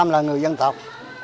một trăm linh là người dân tộc